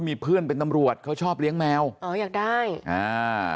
มีเพื่อนเป็นตำรวจเขาชอบเลี้ยงแมวอ๋ออยากได้อ่า